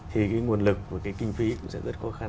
thì cái nguồn lực và cái kinh phí cũng sẽ rất khó khăn